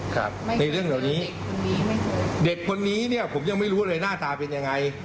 ครับในเรื่องเหล่านี้เด็กคนนี้เนี่ยผมยังไม่รู้เลยหน้าตาเป็นยังไง